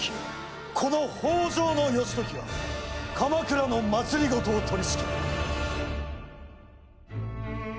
この北条義時が鎌倉の政を取りしきる。